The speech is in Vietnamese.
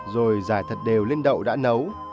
rồi giải thật đều lên đậu đã nấu